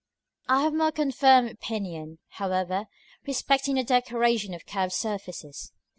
§ IV. I have a more confirmed opinion, however, respecting the decoration of curved surfaces.